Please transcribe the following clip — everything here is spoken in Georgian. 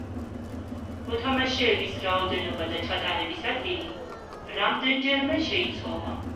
მოთამაშეების რაოდენობა და ჩატარების ადგილი რამდენჯერმე შეიცვალა.